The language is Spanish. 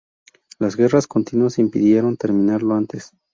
Las guerras continuas impidieron terminarlo antes.